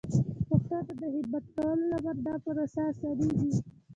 پښتو ته د خدمت کولو لپاره دا پروسه اسانېږي.